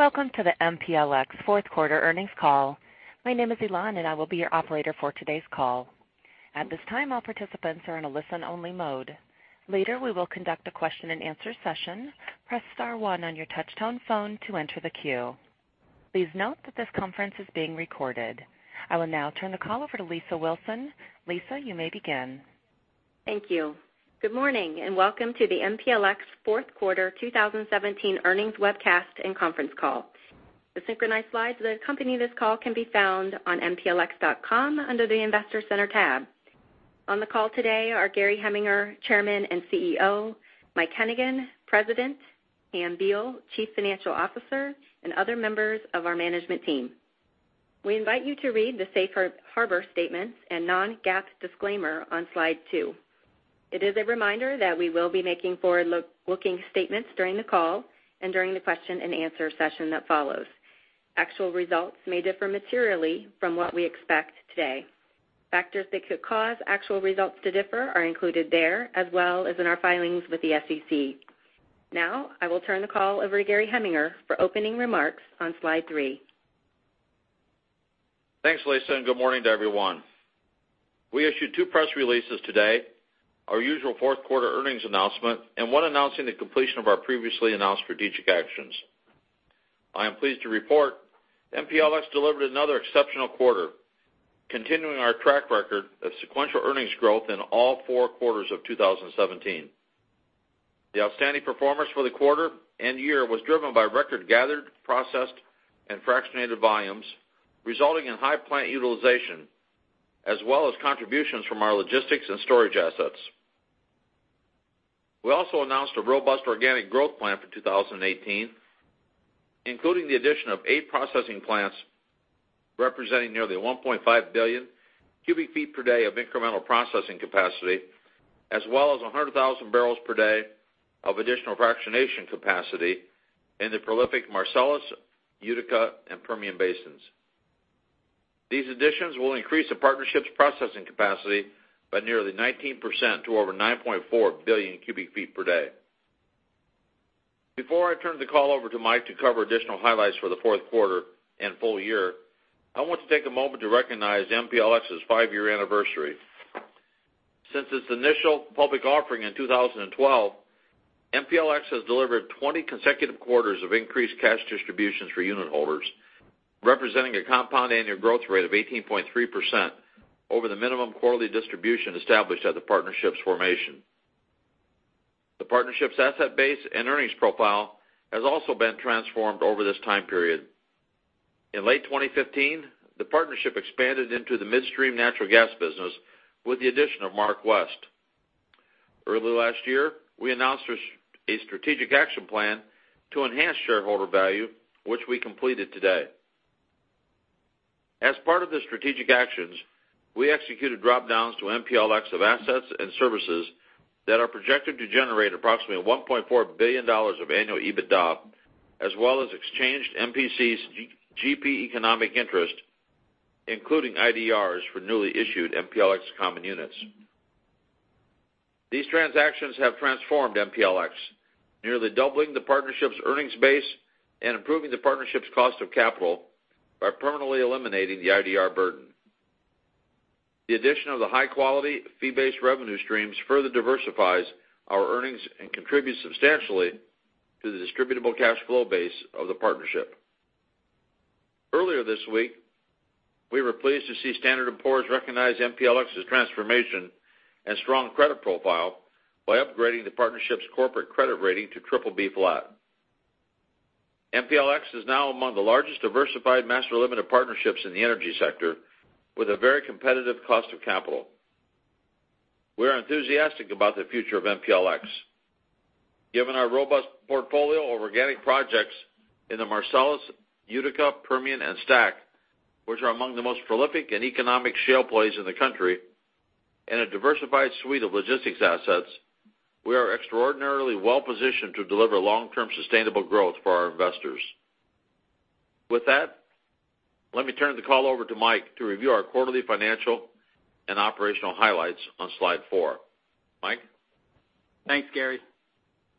Welcome to the MPLX fourth quarter earnings call. My name is Elan, and I will be your operator for today's call. At this time, all participants are in a listen-only mode. Later, we will conduct a question and answer session. Press star one on your touch-tone phone to enter the queue. Please note that this conference is being recorded. I will now turn the call over to Lisa Wilson. Lisa, you may begin. Thank you. Good morning. Welcome to the MPLX fourth quarter 2017 earnings webcast and conference call. The synchronized slides that accompany this call can be found on mplx.com under the Investor Center tab. On the call today are Gary Heminger, Chairman and CEO, Mike Hennigan, President, Pam Beall, Chief Financial Officer, and other members of our management team. We invite you to read the safe harbor statements and non-GAAP disclaimer on slide two. It is a reminder that we will be making forward-looking statements during the call and during the question and answer session that follows. Actual results may differ materially from what we expect today. Factors that could cause actual results to differ are included there, as well as in our filings with the SEC. I will turn the call over to Gary Heminger for opening remarks on slide three. Thanks, Lisa. Good morning to everyone. We issued two press releases today, our usual fourth quarter earnings announcement, and one announcing the completion of our previously announced strategic actions. I am pleased to report MPLX delivered another exceptional quarter, continuing our track record of sequential earnings growth in all four quarters of 2017. The outstanding performance for the quarter and year was driven by record gathered, processed, and fractionated volumes, resulting in high plant utilization, as well as contributions from our Logistics and Storage assets. We also announced a robust organic growth plan for 2018, including the addition of eight processing plants representing nearly 1.5 billion cubic feet per day of incremental processing capacity, as well as 100,000 barrels per day of additional fractionation capacity in the prolific Marcellus, Utica, and Permian Basins. These additions will increase the partnership's processing capacity by nearly 19% to over 9.4 billion cubic feet per day. Before I turn the call over to Mike to cover additional highlights for the fourth quarter and full year, I want to take a moment to recognize MPLX's five-year anniversary. Since its initial public offering in 2012, MPLX has delivered 20 consecutive quarters of increased cash distributions for unit holders, representing a compound annual growth rate of 18.3% over the minimum quarterly distribution established at the partnership's formation. The partnership's asset base and earnings profile has also been transformed over this time period. In late 2015, the partnership expanded into the midstream natural gas business with the addition of MarkWest. Early last year, we announced a strategic action plan to enhance shareholder value, which we completed today. As part of the strategic actions, we executed drop-downs to MPLX of assets and services that are projected to generate approximately $1.4 billion of annual EBITDA, as well as exchanged MPC's GP economic interest, including IDRs for newly issued MPLX common units. These transactions have transformed MPLX, nearly doubling the partnership's earnings base and improving the partnership's cost of capital by permanently eliminating the IDR burden. The addition of the high-quality fee-based revenue streams further diversifies our earnings and contributes substantially to the distributable cash flow base of the partnership. Earlier this week, we were pleased to see Standard & Poor's recognize MPLX's transformation and strong credit profile by upgrading the partnership's corporate credit rating to triple B flat. MPLX is now among the largest diversified master limited partnerships in the energy sector with a very competitive cost of capital. We are enthusiastic about the future of MPLX. Given our robust portfolio of organic projects in the Marcellus, Utica, Permian, and STACK, which are among the most prolific and economic shale plays in the country, and a diversified suite of logistics assets, we are extraordinarily well-positioned to deliver long-term sustainable growth for our investors. With that, let me turn the call over to Mike to review our quarterly financial and operational highlights on slide four. Mike? Thanks, Gary.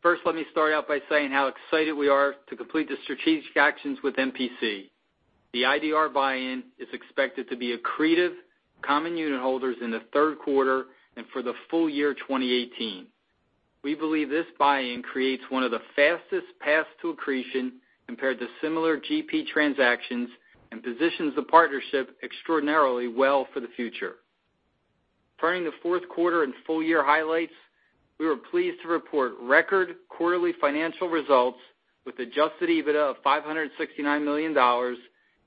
First, let me start out by saying how excited we are to complete the strategic actions with MPC. The IDR buy-in is expected to be accretive common unit holders in the third quarter and for the full year 2018. We believe this buy-in creates one of the fastest paths to accretion compared to similar GP transactions and positions the partnership extraordinarily well for the future. Turning to fourth quarter and full-year highlights, we were pleased to report record quarterly financial results with adjusted EBITDA of $569 million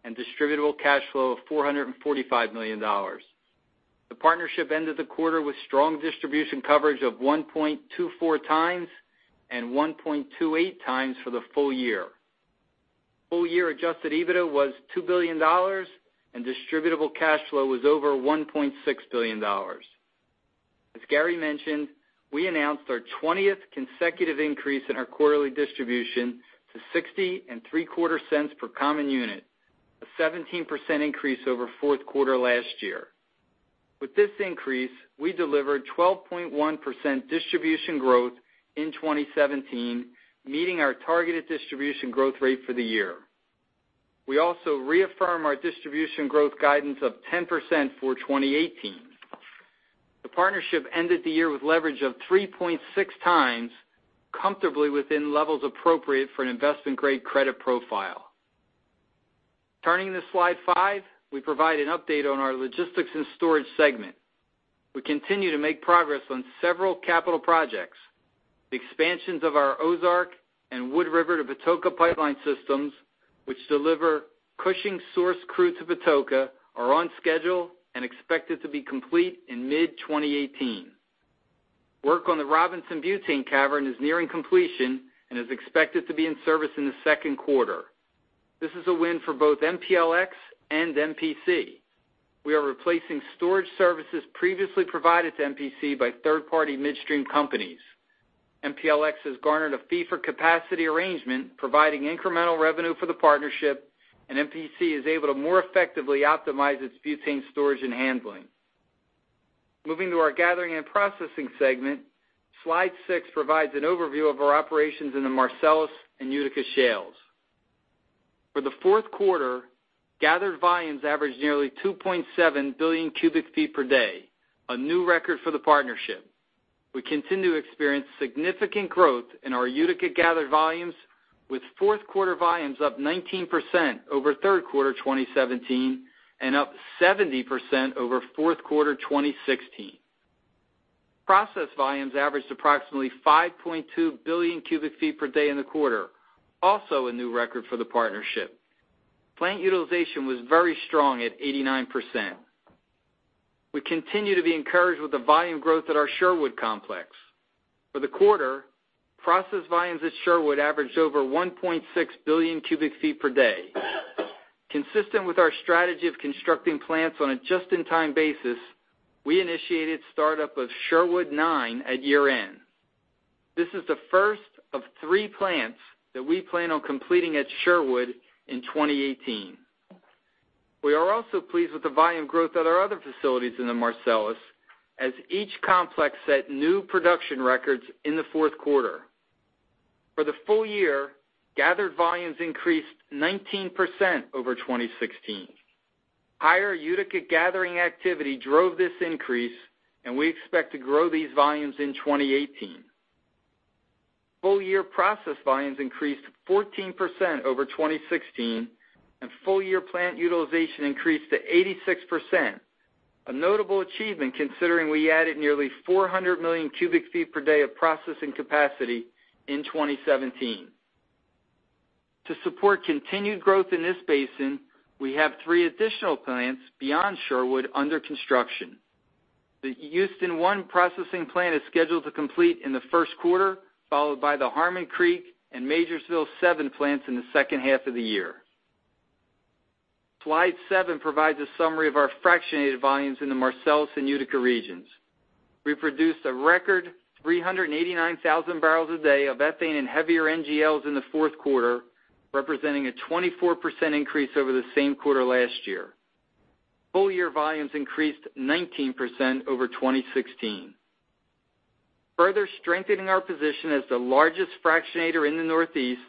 and distributable cash flow of $445 million. The partnership ended the quarter with strong distribution coverage of 1.24 times and 1.28 times for the full year. Full-year adjusted EBITDA was $2 billion, and distributable cash flow was over $1.6 billion. As Gary mentioned, we announced our 20th consecutive increase in our quarterly distribution to 60 and three-quarter cents per common unit, a 17% increase over fourth quarter last year. With this increase, we delivered 12.1% distribution growth in 2017, meeting our targeted distribution growth rate for the year. We also reaffirm our distribution growth guidance of 10% for 2018. The partnership ended the year with leverage of 3.6 times, comfortably within levels appropriate for an investment-grade credit profile. Turning to slide five, we provide an update on our Logistics and Storage segment. We continue to make progress on several capital projects. The expansions of our Ozark and Wood River-to-Patoka pipeline systems, which deliver Cushing source crude to Patoka, are on schedule and expected to be complete in mid-2018. Work on the Robinson Butane Cavern is nearing completion and is expected to be in service in the second quarter. This is a win for both MPLX and MPC. We are replacing storage services previously provided to MPC by third-party midstream companies. MPLX has garnered a fee for capacity arrangement, providing incremental revenue for the partnership, and MPC is able to more effectively optimize its butane storage and handling. Moving to our gathering and processing segment, slide seven provides an overview of our operations in the Marcellus and Utica shales. For the fourth quarter, gathered volumes averaged nearly 2.7 billion cubic feet per day, a new record for the partnership. We continue to experience significant growth in our Utica gathered volumes, with fourth quarter volumes up 19% over third quarter 2017 and up 70% over fourth quarter 2016. Processed volumes averaged approximately 5.2 billion cubic feet per day in the quarter, also a new record for the partnership. Plant utilization was very strong at 89%. We continue to be encouraged with the volume growth at our Sherwood complex. For the quarter, processed volumes at Sherwood averaged over 1.6 billion cubic feet per day. Consistent with our strategy of constructing plants on a just-in-time basis, we initiated startup of Sherwood nine at year-end. This is the first of three plants that we plan on completing at Sherwood in 2018. We are also pleased with the volume growth at our other facilities in the Marcellus, as each complex set new production records in the fourth quarter. For the full year, gathered volumes increased 19% over 2016. Higher Utica gathering activity drove this increase. We expect to grow these volumes in 2018. Full-year processed volumes increased 14% over 2016, and full-year plant utilization increased to 86%, a notable achievement considering we added nearly 400 million cubic feet per day of processing capacity in 2017. To support continued growth in this basin, we have three additional plants beyond Sherwood under construction. The Houston one processing plant is scheduled to complete in the first quarter, followed by the Harmon Creek and Majorsville seven plants in the second half of the year. Slide seven provides a summary of our fractionated volumes in the Marcellus and Utica regions. We produced a record 389,000 barrels a day of ethane and heavier NGLs in the fourth quarter, representing a 24% increase over the same quarter last year. Full-year volumes increased 19% over 2016. Further strengthening our position as the largest fractionator in the Northeast,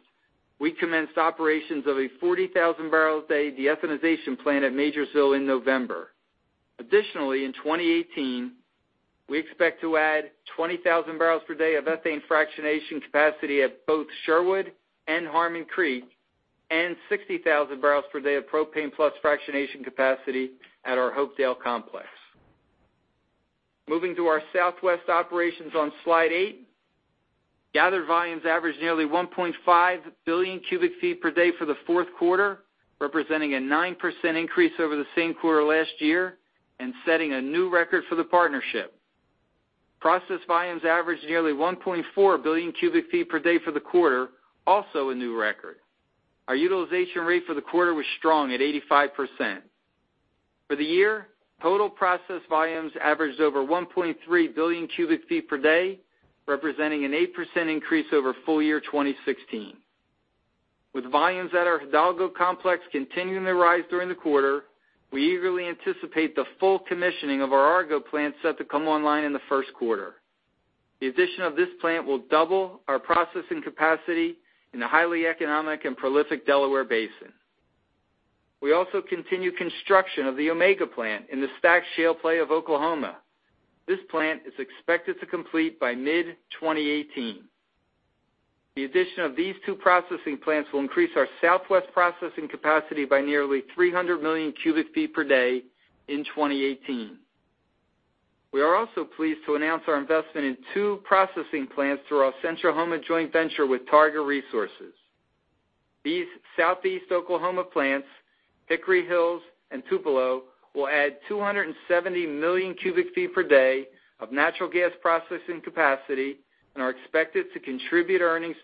we commenced operations of a 40,000 barrels a day deethanization plant at Majorsville in November. In 2018, we expect to add 20,000 barrels per day of ethane fractionation capacity at both Sherwood and Harmon Creek and 60,000 barrels per day of propane plus fractionation capacity at our Hopedale complex. Moving to our southwest operations on slide eight, gathered volumes averaged nearly 1.5 billion cubic feet per day for the fourth quarter, representing a 9% increase over the same quarter last year and setting a new record for the partnership. Processed volumes averaged nearly 1.4 billion cubic feet per day for the quarter, also a new record. Our utilization rate for the quarter was strong at 85%. For the year, total processed volumes averaged over 1.3 billion cubic feet per day, representing an 8% increase over full-year 2016. With volumes at our Hidalgo complex continuing to rise during the quarter, we eagerly anticipate the full commissioning of our Argo plant set to come online in the first quarter. The addition of this plant will double our processing capacity in the highly economic and prolific Delaware Basin. We also continue construction of the Omega plant in the STACK shale play of Oklahoma. This plant is expected to complete by mid-2018. The addition of these two processing plants will increase our southwest processing capacity by nearly 300 million cubic feet per day in 2018. We are also pleased to announce our investment in two processing plants through our Central Oklahoma Joint Venture with Targa Resources. These southeast Oklahoma plants, Hickory Hills and Tupelo, will add 270 million cubic feet per day of natural gas processing capacity and are expected to contribute earnings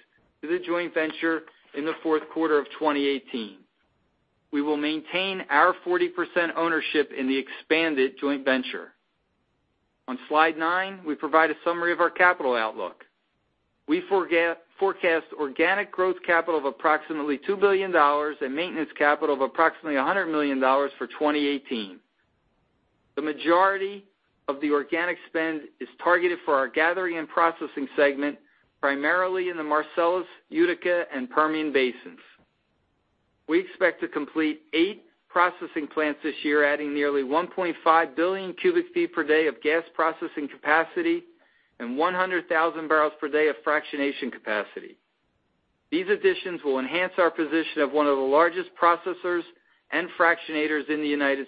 to the Joint Venture in the fourth quarter of 2018. On Slide 9, we provide a summary of our capital outlook. We forecast organic growth capital of approximately $2 billion and maintenance capital of approximately $100 million for 2018. The majority of the organic spend is targeted for our Gathering and Processing Segment, primarily in the Marcellus, Utica, and Permian Basins. We expect to complete eight processing plants this year, adding nearly 1.5 billion cubic feet per day of gas processing capacity and 100,000 barrels per day of fractionation capacity. These additions will enhance our position of one of the largest processors and fractionators in the U.S.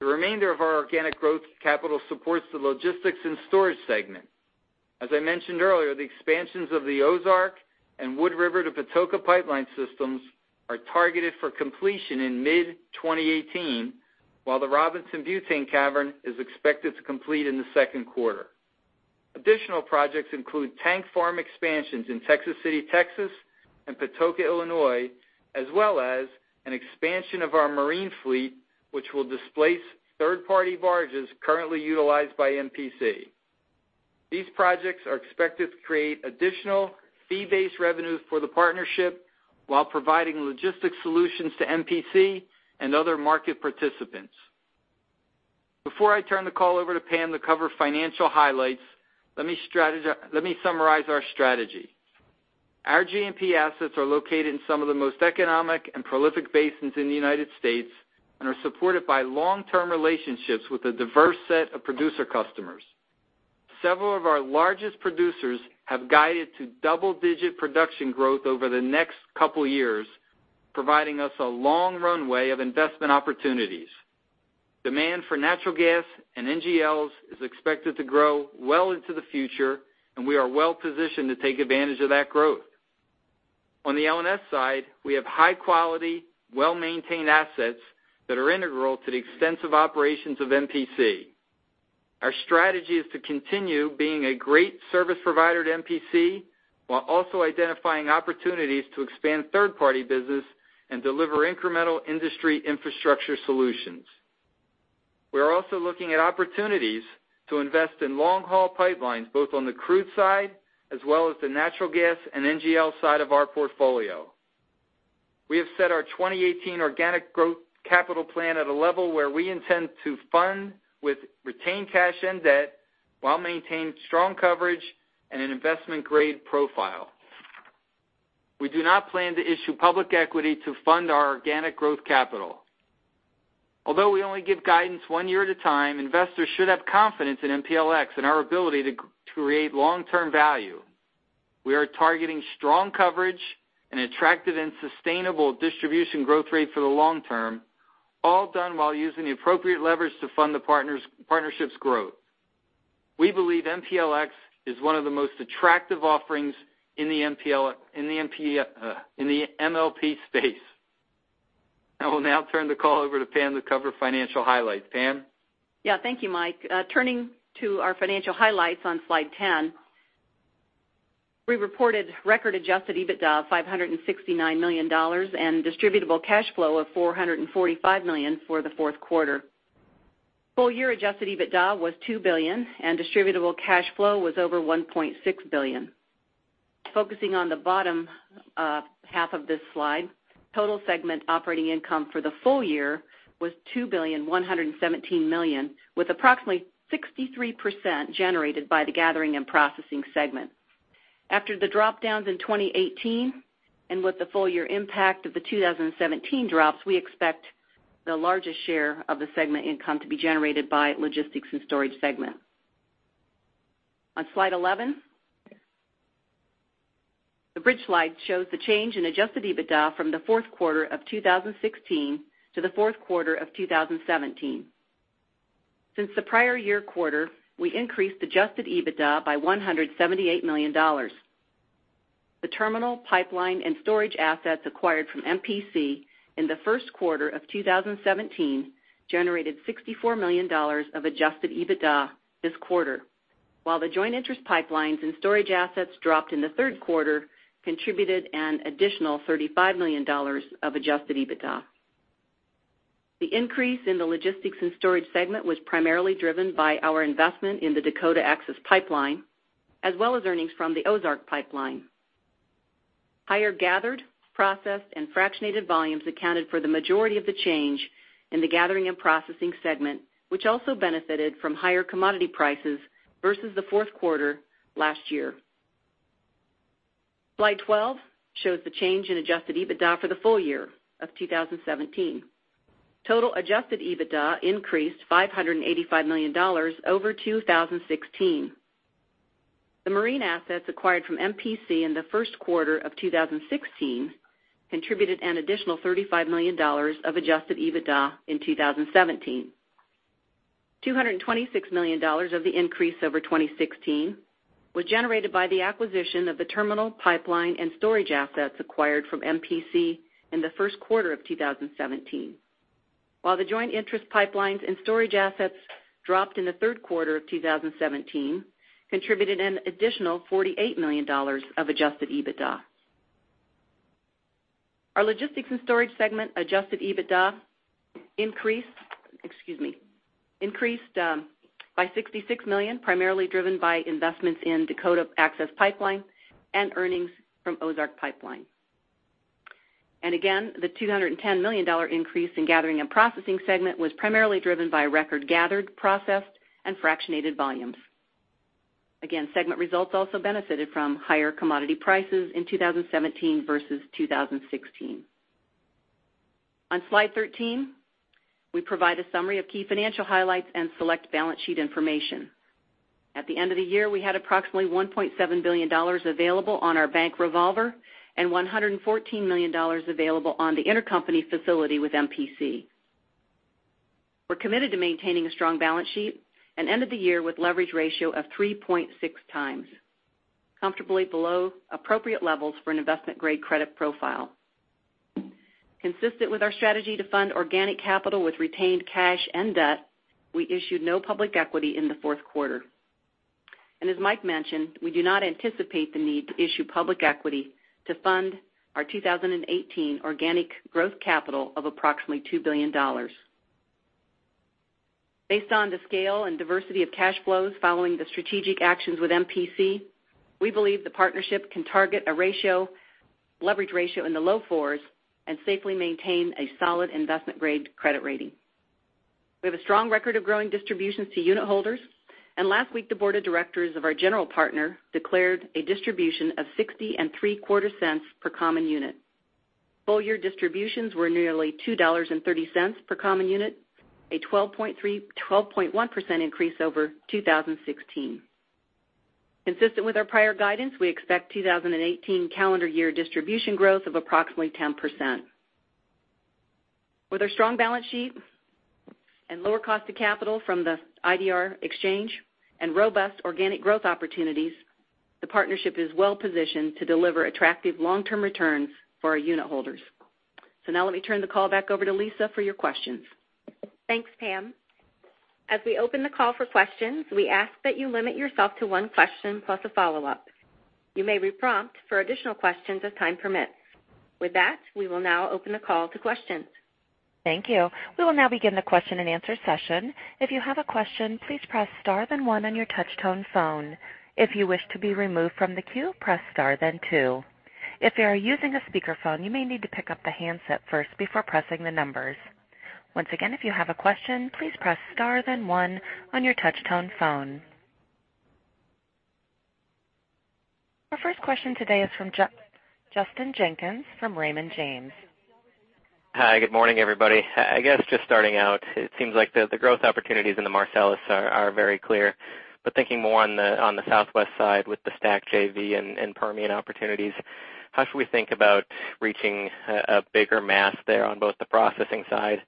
The remainder of our organic growth capital supports the Logistics and Storage Segment. As I mentioned earlier, the expansions of the Ozark and Wood River to Patoka Pipeline Systems are targeted for completion in mid-2018, while the Robinson butane cavern is expected to complete in the second quarter. Additional projects include tank farm expansions in Texas City, Texas and Patoka, Illinois, as well as an expansion of our marine fleet, which will displace third-party barges currently utilized by MPC. These projects are expected to create additional fee-based revenues for the partnership while providing logistic solutions to MPC and other market participants. Before I turn the call over to Pam to cover financial highlights, let me summarize our strategy. Our G&P assets are located in some of the most economic and prolific basins in the U.S. and are supported by long-term relationships with a diverse set of producer customers. Several of our largest producers have guided to double-digit production growth over the next couple years, providing us a long runway of investment opportunities. Demand for natural gas and NGLs is expected to grow well into the future, and we are well positioned to take advantage of that growth. On the L&S side, we have high-quality, well-maintained assets that are integral to the extensive operations of MPC. Our strategy is to continue being a great service provider to MPC while also identifying opportunities to expand third-party business and deliver incremental industry infrastructure solutions. We are also looking at opportunities to invest in long-haul pipelines, both on the crude side as well as the natural gas and NGL side of our portfolio. We have set our 2018 organic growth capital plan at a level where we intend to fund with retained cash and debt while maintaining strong coverage and an investment-grade profile. We do not plan to issue public equity to fund our organic growth capital. Although we only give guidance one year at a time, investors should have confidence in MPLX and our ability to create long-term value. We are targeting strong coverage and attractive and sustainable distribution growth rate for the long term, all done while using the appropriate levers to fund the partnership's growth. We believe MPLX is one of the most attractive offerings in the MLP space. I will now turn the call over to Pam to cover financial highlights. Pam? Yeah. Thank you, Mike. Turning to our financial highlights on Slide 10. We reported record adjusted EBITDA of $569 million and distributable cash flow of $445 million for the fourth quarter. Full-year adjusted EBITDA was $2 billion, and distributable cash flow was over $1.6 billion. Focusing on the bottom half of this slide, total segment operating income for the full year was $2,117,000,000, with approximately 63% generated by the Gathering and Processing segment. After the drop-downs in 2018, and with the full-year impact of the 2017 drops, we expect the largest share of the segment income to be generated by Logistics and Storage segment. On Slide 11, the bridge slide shows the change in adjusted EBITDA from the fourth quarter of 2016 to the fourth quarter of 2017. Since the prior year quarter, we increased adjusted EBITDA by $178 million. The terminal pipeline and storage assets acquired from MPC in the first quarter of 2017 generated $64 million of adjusted EBITDA this quarter, while the joint interest pipelines and storage assets dropped in the third quarter contributed an additional $35 million of adjusted EBITDA. The increase in the Logistics and Storage segment was primarily driven by our investment in the Dakota Access Pipeline, as well as earnings from the Ozark Pipeline. Higher gathered, processed, and fractionated volumes accounted for the majority of the change in the Gathering and Processing segment, which also benefited from higher commodity prices versus the fourth quarter last year. Slide 12 shows the change in adjusted EBITDA for the full year of 2017. Total adjusted EBITDA increased $585 million over 2016. The marine assets acquired from MPC in the first quarter of 2016 contributed an additional $35 million of adjusted EBITDA in 2017. $226 million of the increase over 2016 was generated by the acquisition of the terminal pipeline and storage assets acquired from MPC in the first quarter of 2017. While the joint interest pipelines and storage assets dropped in the third quarter of 2017 contributed an additional $48 million of adjusted EBITDA. Our Logistics and Storage segment adjusted EBITDA increased by $66 million, primarily driven by investments in Dakota Access Pipeline and earnings from Ozark Pipeline. Again, the $210 million increase in Gathering and Processing segment was primarily driven by record gathered, processed, and fractionated volumes. Again, segment results also benefited from higher commodity prices in 2017 versus 2016. On Slide 13, we provide a summary of key financial highlights and select balance sheet information. At the end of the year, we had approximately $1.7 billion available on our bank revolver and $114 million available on the intercompany facility with MPC. We're committed to maintaining a strong balance sheet and ended the year with leverage ratio of 3.6 times, comfortably below appropriate levels for an investment-grade credit profile. Consistent with our strategy to fund organic capital with retained cash and debt, we issued no public equity in the fourth quarter. As Mike mentioned, we do not anticipate the need to issue public equity to fund our 2018 organic growth capital of approximately $2 billion. Based on the scale and diversity of cash flows following the strategic actions with MPC, we believe the partnership can target a leverage ratio in the low fours and safely maintain a solid investment-grade credit rating. We have a strong record of growing distributions to unit holders, last week, the board of directors of our general partner declared a distribution of 60 and three-quarter cents per common unit. Full year distributions were nearly $2.30 per common unit, a 12.1% increase over 2016. Consistent with our prior guidance, we expect 2018 calendar year distribution growth of approximately 10%. With our strong balance sheet and lower cost of capital from the IDR exchange and robust organic growth opportunities, the partnership is well-positioned to deliver attractive long-term returns for our unit holders. Now let me turn the call back over to Lisa for your questions. Thanks, Pam. As we open the call for questions, we ask that you limit yourself to one question plus a follow-up. You may be prompt for additional questions as time permits. That, we will now open the call to questions. Thank you. We will now begin the question-and-answer session. If you have a question, please press star then one on your touch tone phone. If you wish to be removed from the queue, press star then two. If you are using a speakerphone, you may need to pick up the handset first before pressing the numbers. Once again, if you have a question, please press star then one on your touch tone phone. Our first question today is from Justin Jenkins from Raymond James. Hi. Good morning, everybody. I guess just starting out, it seems like the growth opportunities in the Marcellus are very clear. Thinking more on the southwest side with the STACK JV and Permian opportunities, how should we think about reaching a bigger mass there on both the processing side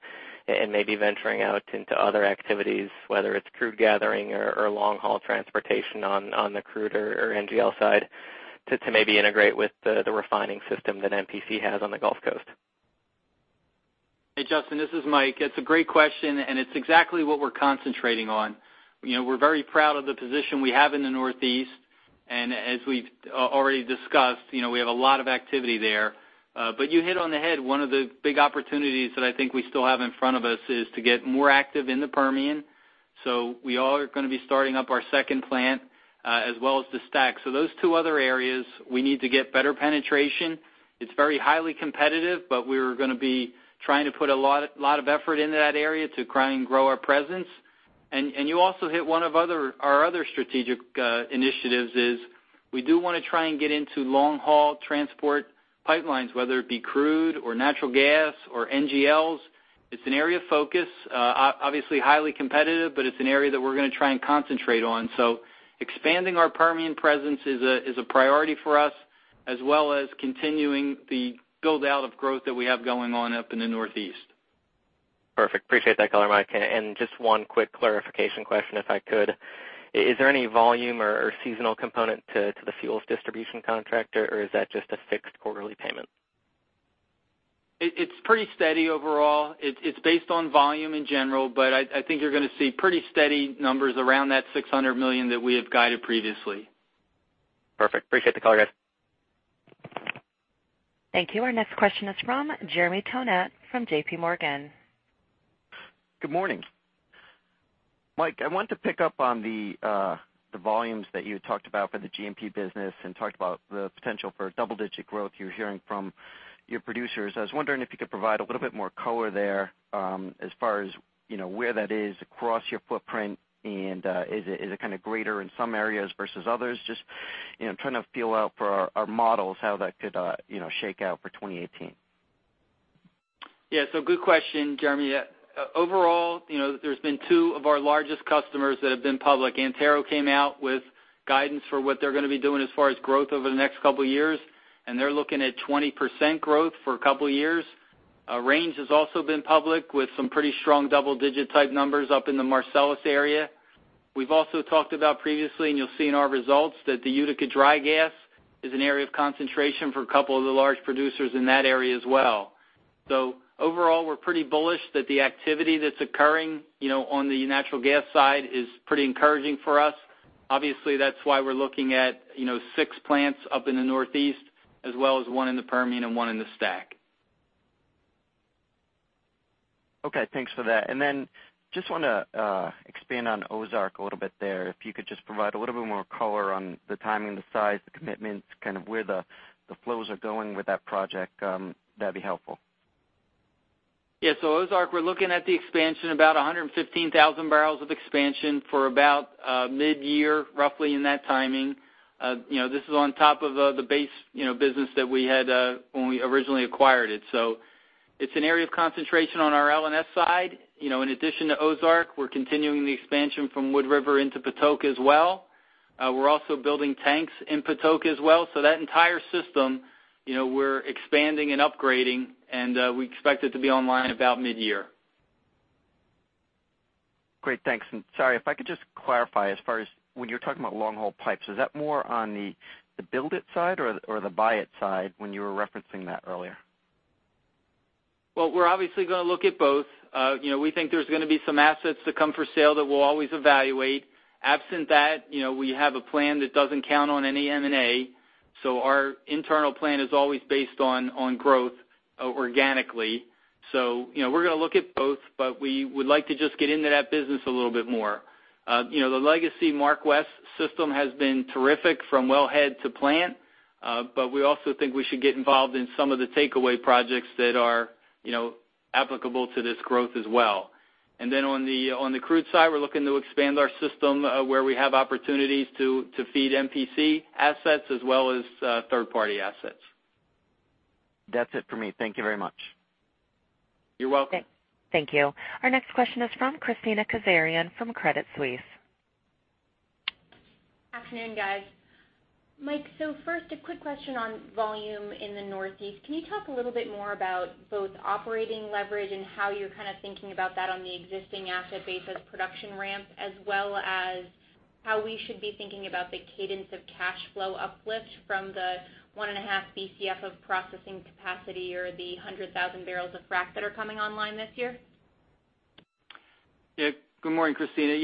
and maybe venturing out into other activities, whether it's crude gathering or long-haul transportation on the crude or NGL side to maybe integrate with the refining system that MPC has on the Gulf Coast? Hey, Justin, this is Mike. It's a great question, and it's exactly what we're concentrating on. We're very proud of the position we have in the Northeast, and as we've already discussed, we have a lot of activity there. You hit on the head. One of the big opportunities that I think we still have in front of us is to get more active in the Permian. We are going to be starting up our second plant, as well as the STACK. Those two other areas, we need to get better penetration. It's very highly competitive, but we're going to be trying to put a lot of effort into that area to try and grow our presence. You also hit one of our other strategic initiatives is we do want to try and get into long-haul transport pipelines, whether it be crude or natural gas or NGLs. It's an area of focus. Obviously highly competitive, but it's an area that we're going to try and concentrate on. Expanding our Permian presence is a priority for us, as well as continuing the build-out of growth that we have going on up in the Northeast. Perfect. Appreciate that color, Mike. Just one quick clarification question, if I could. Is there any volume or seasonal component to the fuels distribution contract, or is that just a fixed quarterly payment? It's pretty steady overall. It's based on volume in general, but I think you're gonna see pretty steady numbers around that $600 million that we have guided previously. Perfect. Appreciate the color, guys. Thank you. Our next question is from Jeremy Tonet from J.P. Morgan. Good morning. Mike, I want to pick up on the volumes that you had talked about for the G&P business and talked about the potential for double-digit growth you're hearing from your producers. I was wondering if you could provide a little bit more color there as far as where that is across your footprint, and is it kind of greater in some areas versus others? Just trying to feel out for our models how that could shake out for 2018. Good question, Jeremy. Overall, there's been two of our largest customers that have been public. Antero came out with guidance for what they're gonna be doing as far as growth over the next couple of years. They're looking at 20% growth for a couple of years. Range has also been public with some pretty strong double-digit type numbers up in the Marcellus area. We've also talked about previously, and you'll see in our results, that the Utica dry gas is an area of concentration for a couple of the large producers in that area as well. Overall, we're pretty bullish that the activity that's occurring on the natural gas side is pretty encouraging for us. Obviously, that's why we're looking at six plants up in the Northeast as well as one in the Permian and one in the STACK. Okay. Thanks for that. Just want to expand on Ozark a little bit there. If you could just provide a little bit more color on the timing, the size, the commitments, kind of where the flows are going with that project, that'd be helpful. Ozark, we're looking at the expansion, about 115,000 barrels of expansion for about mid-year, roughly in that timing. This is on top of the base business that we had when we originally acquired it. It's an area of concentration on our L&S side. In addition to Ozark, we're continuing the expansion from Wood River into Patoka as well. We're also building tanks in Patoka as well, that entire system, we're expanding and upgrading, and we expect it to be online about mid-year. Great. Thanks. Sorry, if I could just clarify as far as when you're talking about long-haul pipes, is that more on the build-it side or the buy-it side when you were referencing that earlier? Well, we're obviously going to look at both. We think there's going to be some assets that come for sale that we'll always evaluate. Absent that, we have a plan that doesn't count on any M&A. Our internal plan is always based on growth organically. We're going to look at both, but we would like to just get into that business a little bit more. The legacy MarkWest system has been terrific from well head to plant. We also think we should get involved in some of the takeaway projects that are applicable to this growth as well. On the crude side, we're looking to expand our system where we have opportunities to feed MPC assets as well as third-party assets. That's it for me. Thank you very much. You're welcome. Thank you. Our next question is from Kristina Kazarian from Credit Suisse. Good afternoon, guys. Mike, first, a quick question on volume in the Northeast. Can you talk a little bit more about both operating leverage and how you're kind of thinking about that on the existing asset base as production ramps, as well as how we should be thinking about the cadence of cash flow uplift from the one and a half BCF of processing capacity or the 100,000 barrels of frack that are coming online this year? Good morning, Kristina.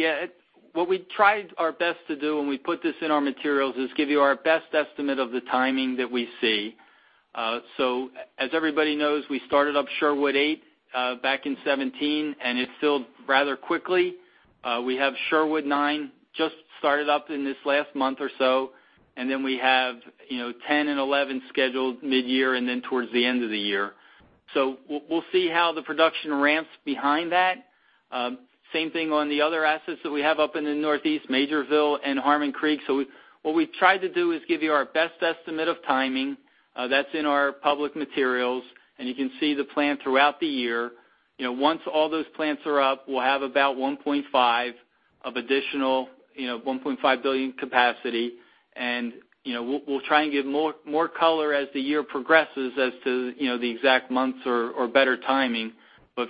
What we tried our best to do when we put this in our materials is give you our best estimate of the timing that we see. As everybody knows, we started up Sherwood 8 back in 2017, and it filled rather quickly. We have Sherwood 9 just started up in this last month or so, we have 10 and 11 scheduled mid-year towards the end of the year. We'll see how the production ramps behind that. Same thing on the other assets that we have up in the Northeast, Majorsville and Harmon Creek. What we've tried to do is give you our best estimate of timing. That's in our public materials, and you can see the plan throughout the year. Once all those plants are up, we'll have about 1.5 billion capacity, we'll try and give more color as the year progresses as to the exact months or better timing.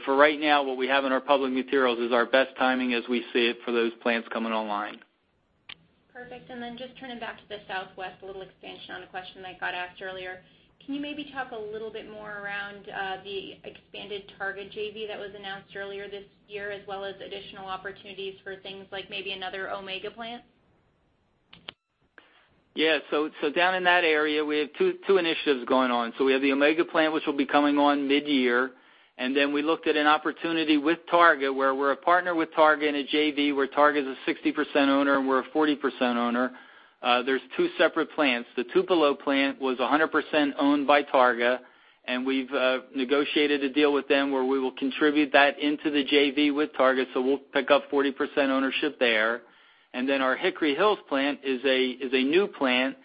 For right now, what we have in our public materials is our best timing as we see it for those plants coming online. Perfect. Just turning back to the Southwest, a little expansion on a question that got asked earlier. Can you maybe talk a little bit more around the expanded Targa JV that was announced earlier this year, as well as additional opportunities for things like maybe another Omega plant? Down in that area, we have two initiatives going on. We have the Omega plant, which will be coming on mid-year, and then we looked at an opportunity with Targa, where we're a partner with Targa in a JV where Targa is a 60% owner and we're a 40% owner. There's two separate plants. The Tupelo plant was 100% owned by Targa, and we've negotiated a deal with them where we will contribute that into the JV with Targa. We'll pick up 40% ownership there. Our Hickory Hills plant is a new plant.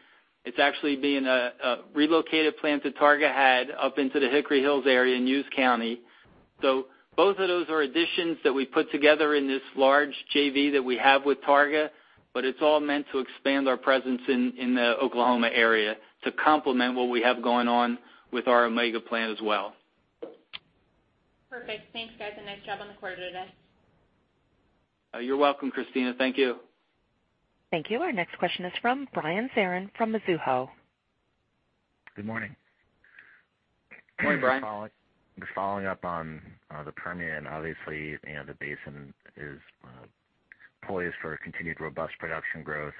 It's actually being a relocated plant that Targa had up into the Hickory Hills area in Hughes County. Both of those are additions that we put together in this large JV that we have with Targa, but it's all meant to expand our presence in the Oklahoma area to complement what we have going on with our Omega plant as well. Perfect. Thanks, guys, and nice job on the quarter today. You're welcome, Kristina. Thank you. Thank you. Our next question is from Brian Zarahn from Mizuho. Good morning. Morning, Brian. Just following up on the Permian. Obviously, the basin is poised for continued robust production growth.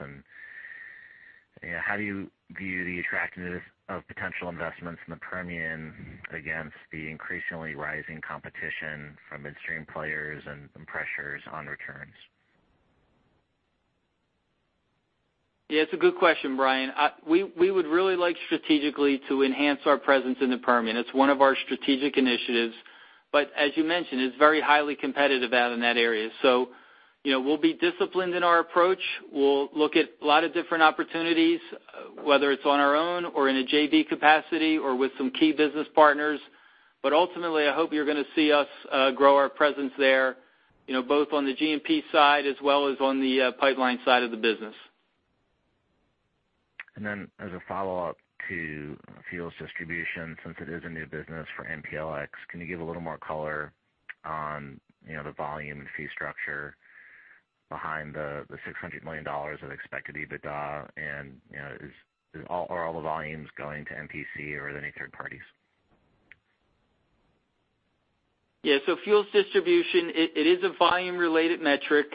How do you view the attractiveness of potential investments in the Permian against the increasingly rising competition from midstream players and pressures on returns? Yeah, it's a good question, Brian. We would really like strategically to enhance our presence in the Permian. It's one of our strategic initiatives. As you mentioned, it's very highly competitive out in that area. We'll be disciplined in our approach. We'll look at a lot of different opportunities, whether it's on our own or in a JV capacity or with some key business partners. Ultimately, I hope you're going to see us grow our presence there, both on the G&P side as well as on the pipeline side of the business. As a follow-up to fuels distribution, since it is a new business for MPLX, can you give a little more color on the volume and fee structure? behind the $600 million of expected EBITDA, are all the volumes going to MPC or are there any third parties? Fuels distribution, it is a volume-related metric.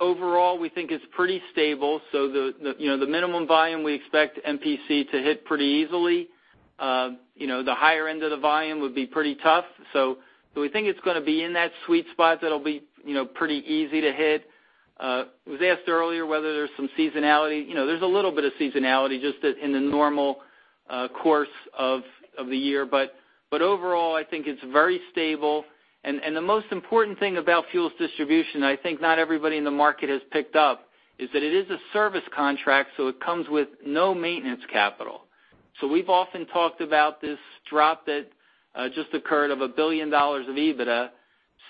Overall, we think it's pretty stable. The minimum volume, we expect MPC to hit pretty easily. The higher end of the volume would be pretty tough. We think it's going to be in that sweet spot that'll be pretty easy to hit. It was asked earlier whether there's some seasonality. There's a little bit of seasonality just in the normal course of the year. Overall, I think it's very stable. The most important thing about fuels distribution, I think not everybody in the market has picked up, is that it is a service contract, so it comes with no maintenance capital. We've often talked about this drop that just occurred of $1 billion of EBITDA.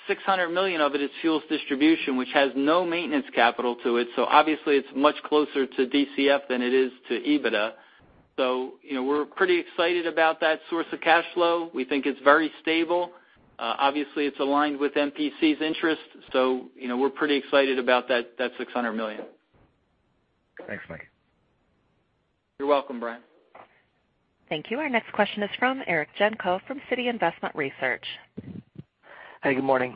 $600 million of it is fuels distribution, which has no maintenance capital to it. Obviously, it's much closer to DCF than it is to EBITDA. We're pretty excited about that source of cash flow. We think it's very stable. Obviously, it's aligned with MPC's interest. We're pretty excited about that $600 million. Thanks, Mike. You're welcome, Brian. Thank you. Our next question is from Eric Genko from Citi Investment Research. Hi, good morning.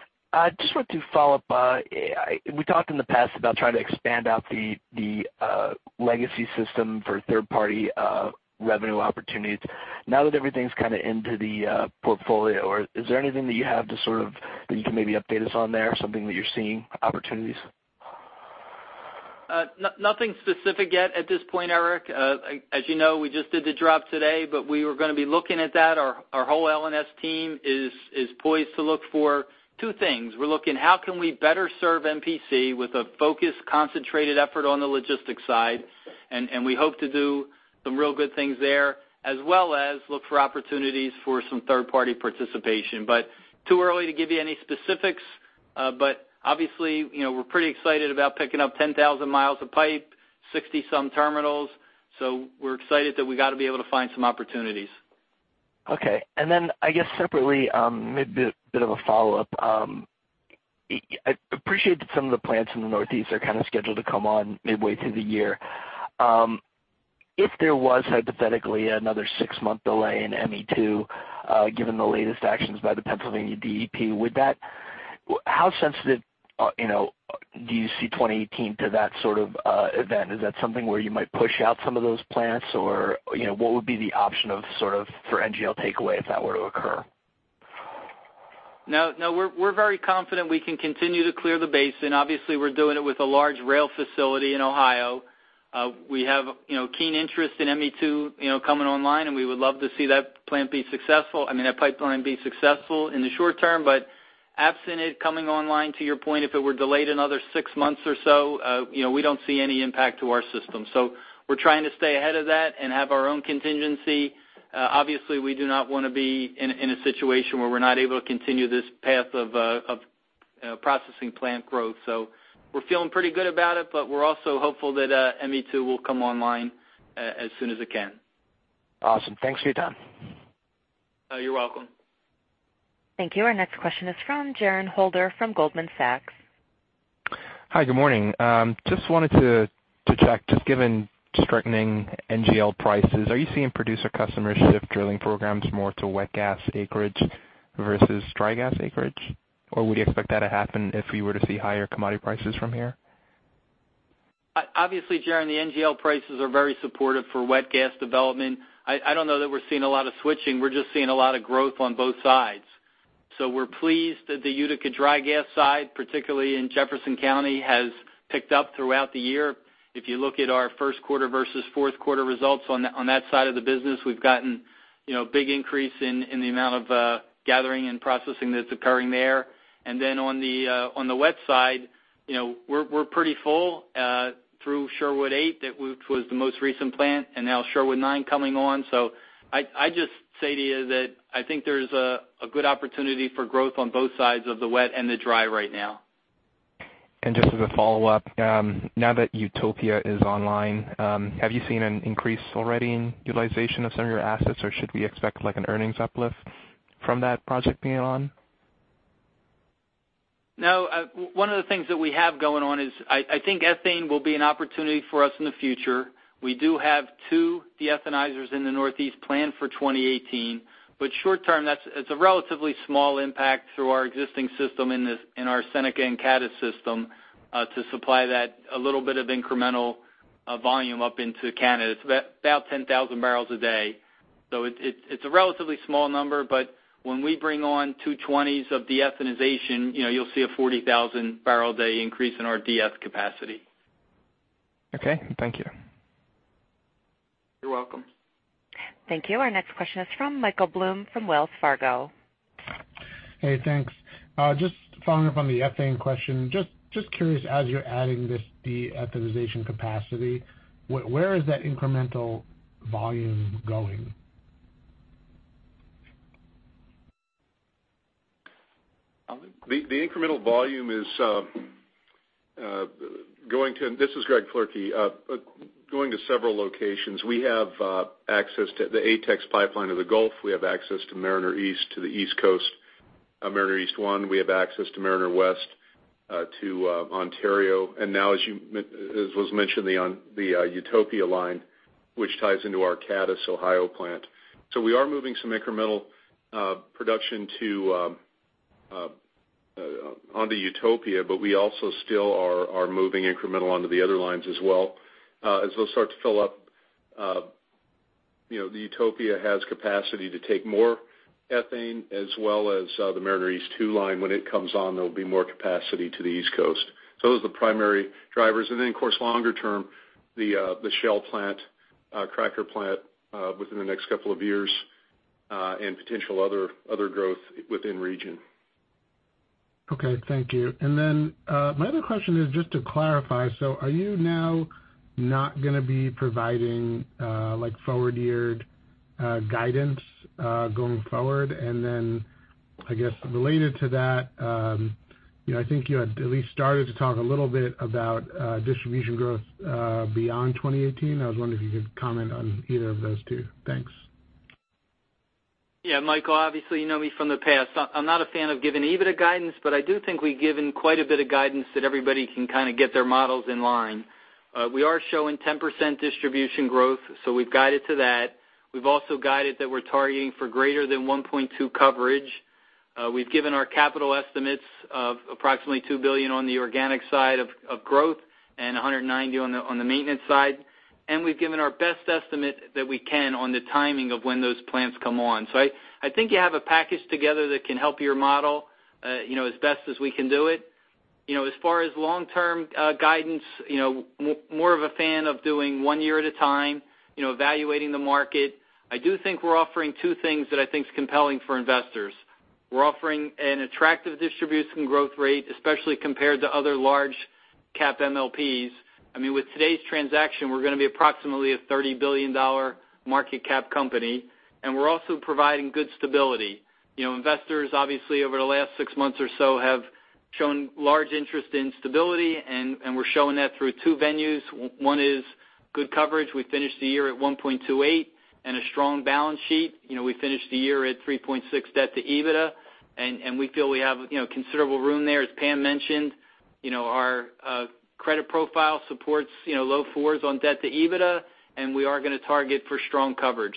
Just wanted to follow up. We talked in the past about trying to expand out the legacy system for third-party revenue opportunities. Now that everything's kind of into the portfolio, is there anything that you have that you can maybe update us on there? Something that you're seeing, opportunities? Nothing specific yet at this point, Eric. As you know, we just did the drop today. We were going to be looking at that. Our whole L&S team is poised to look for two things. We're looking how can we better serve MPC with a focused, concentrated effort on the logistics side. We hope to do some real good things there, as well as look for opportunities for some third-party participation. Too early to give you any specifics. Obviously, we're pretty excited about picking up 10,000 miles of pipe, 60 some terminals. We're excited that we got to be able to find some opportunities. Okay. I guess separately, maybe a bit of a follow-up. I appreciate that some of the plants in the Northeast are kind of scheduled to come on midway through the year. If there was hypothetically another 6-month delay in ME2, given the latest actions by the Pennsylvania DEP, how sensitive do you see 2018 to that sort of event? Is that something where you might push out some of those plants? What would be the option for NGL takeaway if that were to occur? No. We're very confident we can continue to clear the basin. Obviously, we're doing it with a large rail facility in Ohio. We have keen interest in ME2 coming online, and we would love to see that pipeline be successful in the short term. Absent it coming online, to your point, if it were delayed another six months or so, we don't see any impact to our system. We're trying to stay ahead of that and have our own contingency. Obviously, we do not want to be in a situation where we're not able to continue this path of processing plant growth. We're feeling pretty good about it, but we're also hopeful that ME2 will come online as soon as it can. Awesome. Thanks for your time. You're welcome. Thank you. Our next question is from Jerren Holder from Goldman Sachs. Hi, good morning. Just wanted to check, just given strengthening NGL prices, are you seeing producer customers shift drilling programs more to wet gas acreage versus dry gas acreage? Would you expect that to happen if we were to see higher commodity prices from here? Obviously, Jerren, the NGL prices are very supportive for wet gas development. I don't know that we're seeing a lot of switching. We're just seeing a lot of growth on both sides. We're pleased that the Utica dry gas side, particularly in Jefferson County, has picked up throughout the year. If you look at our first quarter versus fourth quarter results on that side of the business, we've gotten big increase in the amount of gathering and processing that's occurring there. Then on the wet side, we're pretty full through Sherwood eight, which was the most recent plant, and now Sherwood nine coming on. I'd just say to you that I think there's a good opportunity for growth on both sides of the wet and the dry right now. Just as a follow-up. Now that Utopia is online, have you seen an increase already in utilization of some of your assets, or should we expect an earnings uplift from that project being on? No. One of the things that we have going on is I think ethane will be an opportunity for us in the future. We do have two de-ethanizers in the Northeast planned for 2018. Short-term, it's a relatively small impact through our existing system in our Seneca and Cadiz system to supply that a little bit of incremental volume up into Canada. It's about 10,000 barrels a day. It's a relatively small number, but when we bring on two 20s of de-ethanization, you'll see a 40,000-barrel a day increase in our de-eth capacity. Okay. Thank you. You're welcome. Thank you. Our next question is from Michael Blum from Wells Fargo. Hey, thanks. Just following up on the ethane question. Just curious, as you're adding this de-ethanization capacity, where is that incremental volume going? Alan? This is Greg Clerkie. The incremental volume is going to several locations. We have access to the ATEX pipeline of the Gulf. We have access to Mariner East, to the East Coast, Mariner East One. We have access to Mariner West, to Ontario. As was mentioned, the Utopia line, which ties into our Cadiz Ohio plant. We are moving some incremental production onto Utopia, but we also still are moving incremental onto the other lines as well. Those start to fill up. The Utopia has capacity to take more ethane, as well as the Mariner East Two line. When it comes on, there'll be more capacity to the East Coast. Those are the primary drivers. Of course, longer-term, the Shell plant, cracker plant, within the next 2 years, and potential other growth within region. Okay, thank you. My other question is just to clarify, are you now not going to be providing forward-geared guidance, going forward? I guess, related to that, I think you had at least started to talk a little bit about distribution growth beyond 2018. I was wondering if you could comment on either of those 2. Thanks. Yeah, Michael, obviously, you know me from the past. I'm not a fan of giving EBITDA guidance, but I do think we've given quite a bit of guidance that everybody can kind of get their models in line. We are showing 10% distribution growth. We've guided to that. We've also guided that we're targeting for greater than 1.2 coverage. We've given our capital estimates of approximately $2 billion on the organic side of growth and $190 on the maintenance side. We've given our best estimate that we can on the timing of when those plants come on. I think you have a package together that can help your model as best as we can do it. As far as long-term guidance, more of a fan of doing 1 year at a time, evaluating the market. I do think we're offering 2 things that I think is compelling for investors. We're offering an attractive distribution growth rate, especially compared to other large cap MLPs. With today's transaction, we're going to be approximately a $30 billion market cap company. We're also providing good stability. Investors, obviously, over the last 6 months or so, have shown large interest in stability. We're showing that through 2 venues. 1 is good coverage. We finished the year at 1.28 and a strong balance sheet. We finished the year at 3.6 debt to EBITDA. We feel we have considerable room there. As Pam mentioned, our credit profile supports low 4s on debt to EBITDA. We are going to target for strong coverage.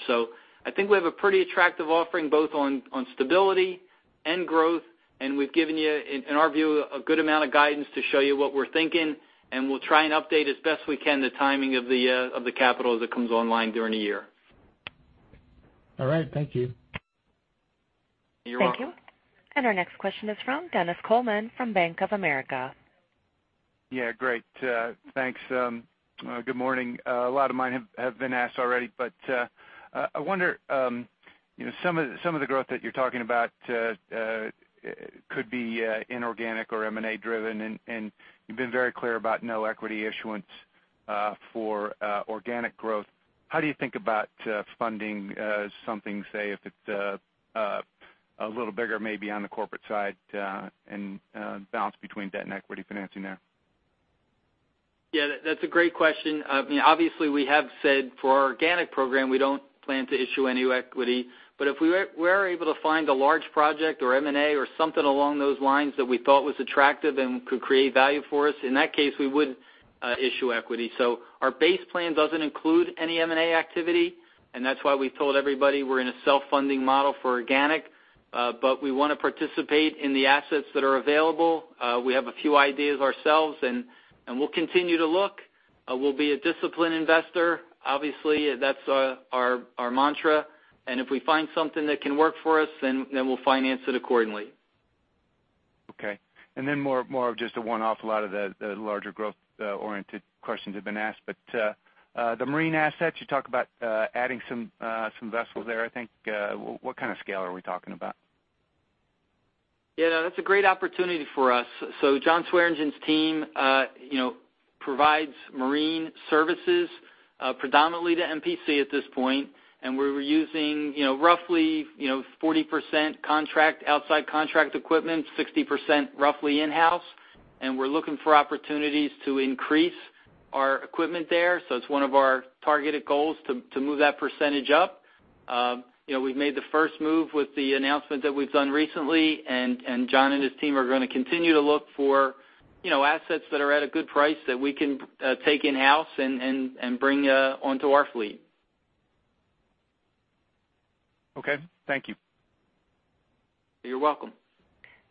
I think we have a pretty attractive offering both on stability and growth, we've given you, in our view, a good amount of guidance to show you what we're thinking, we'll try and update as best we can the timing of the capital that comes online during the year. All right. Thank you. You're welcome. Thank you. Our next question is from Dennis Coleman from Bank of America. Yeah, great. Thanks. Good morning. A lot of mine have been asked already. I wonder, some of the growth that you're talking about could be inorganic or M&A driven, and you've been very clear about no equity issuance for organic growth. How do you think about funding something, say, if it's a little bigger, maybe on the corporate side, and balance between debt and equity financing there? Yeah, that's a great question. Obviously, we have said for our organic program, we don't plan to issue any equity. If we were able to find a large project or M&A or something along those lines that we thought was attractive and could create value for us, in that case, we would issue equity. Our base plan doesn't include any M&A activity, and that's why we've told everybody we're in a self-funding model for organic, but we want to participate in the assets that are available. We have a few ideas ourselves, and we'll continue to look. We'll be a disciplined investor. Obviously, that's our mantra. If we find something that can work for us, we'll finance it accordingly. Okay. More of just a one-off. A lot of the larger growth-oriented questions have been asked. The marine assets, you talk about adding some vessels there, I think. What kind of scale are we talking about? Yeah, that's a great opportunity for us. John Swearingen's team provides marine services predominantly to MPC at this point, and we're using roughly 40% outside contract equipment, 60% roughly in-house, and we're looking for opportunities to increase our equipment there. It's one of our targeted goals to move that percentage up. We've made the first move with the announcement that we've done recently, and John and his team are going to continue to look for assets that are at a good price that we can take in-house and bring onto our fleet. Okay. Thank you. You're welcome.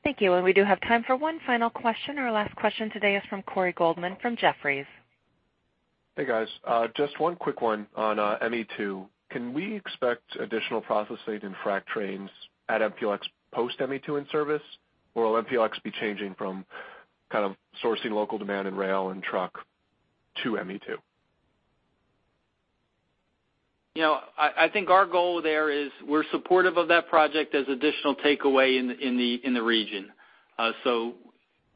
Thank you. We do have time for one final question. Our last question today is from Corey Goldman from Jefferies. Hey, guys. Just one quick one on ME2. Can we expect additional processing and frack trains at MPLX post ME2A in service, or will MPLX be changing from kind of sourcing local demand and rail and truck to ME2? I think our goal there is we're supportive of that project as additional takeaway in the region.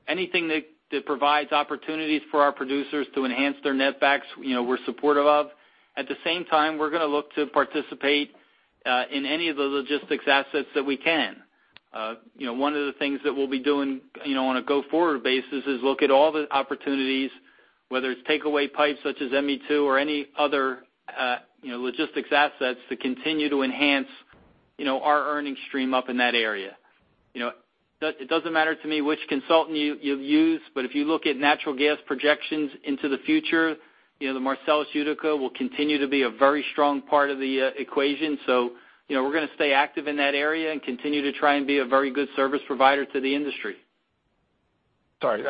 Anything that provides opportunities for our producers to enhance their netbacks, we're supportive of. At the same time, we're going to look to participate in any of the logistics assets that we can. One of the things that we'll be doing on a go-forward basis is look at all the opportunities, whether it's takeaway pipes such as ME2 or any other logistics assets to continue to enhance our earnings stream up in that area. It doesn't matter to me which consultant you've used, but if you look at natural gas projections into the future, the Marcellus/Utica will continue to be a very strong part of the equation. We're going to stay active in that area and continue to try and be a very good service provider to the industry. Sorry. You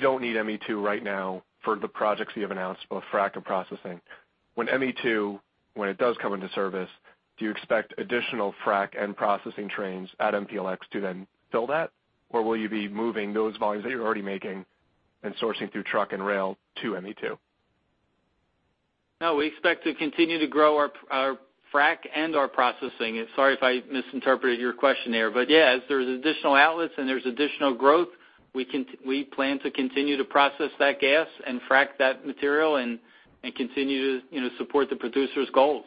don't need ME2 right now for the projects you have announced, both frac and processing, when ME2, when it does come into service, do you expect additional frac and processing trains at MPLX to then fill that? Will you be moving those volumes that you're already making and sourcing through truck and rail to ME2? No, we expect to continue to grow our frac and our processing. Sorry if I misinterpreted your question there. As there's additional outlets and there's additional growth, we plan to continue to process that gas and frac that material and continue to support the producer's goals.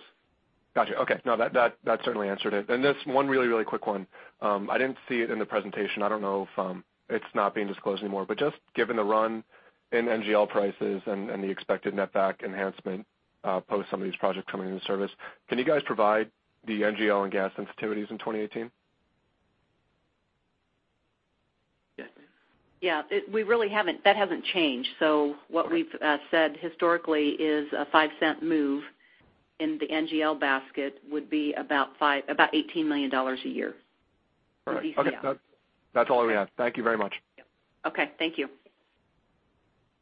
Got you. Okay. No, that certainly answered it. This one really quick one. I didn't see it in the presentation. I don't know if it's not being disclosed anymore, but just given the run in NGL prices and the expected netback enhancement post some of these projects coming into service, can you guys provide the NGL and gas sensitivities in 2018? Yes. Yeah, that hasn't changed. What we've said historically is a $0.05 move in the NGL basket would be about $18 million a year. All right. Okay. That's all I had. Thank you very much. Yep. Okay. Thank you.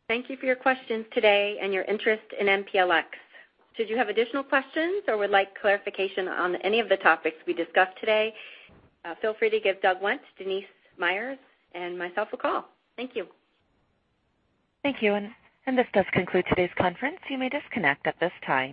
Thank you for your questions today and your interest in MPLX. Should you have additional questions or would like clarification on any of the topics we discussed today, feel free to give Doug Wendt, Denice Myers, and myself a call. Thank you. Thank you. This does conclude today's conference. You may disconnect at this time.